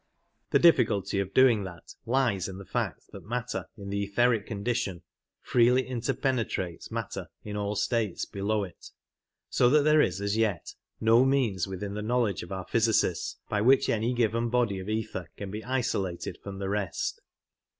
The difficulty of doing that lies in the fact that matter in the etheric condition freely inter penetrates matter in all states below it, so that there is as yet no means within the knowledge of our physicists by which any given body of ether can be isolated from the rest.